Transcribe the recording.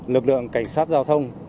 lực lượng cảnh sát giao thông